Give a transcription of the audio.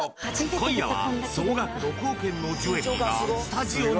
今夜は総額６億円のジュエリーがスタジオに！